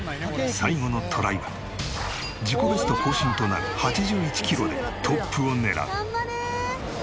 最後のトライは自己ベスト更新となる８１キロでトップを狙う。